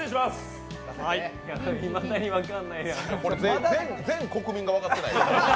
今これ、全国民が分かってないからね。